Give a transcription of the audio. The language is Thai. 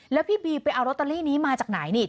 แล้วพี่บีไปเอารอเตอรี่นี้มาออกจากไหน